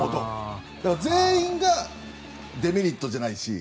全員がデメリットじゃないし。